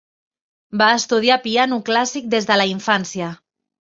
Va estudiar piano clàssic des de la infància.